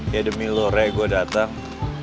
ya demi lore gue datang